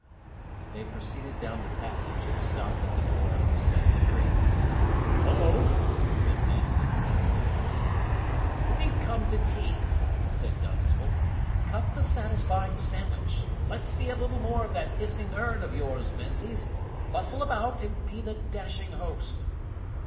They proceeded down the passage and stopped at the door of study three. "Hullo!" said Menzies, as they entered. "We've come to tea," said Dunstable. "Cut the satisfying sandwich. Let's see a little more of that hissing urn of yours, Menzies. Bustle about, and be the dashing host."